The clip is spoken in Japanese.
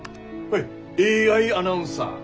ＡＩアナウンサー。